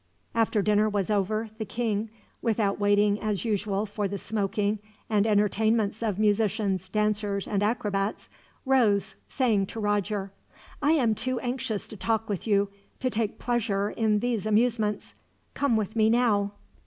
After dinner was over, the king, without waiting as usual for the smoking and entertainments of musicians, dancers, and acrobats, rose, saying to Roger: "I am too anxious to talk with you to take pleasure in these amusements. Come with me now."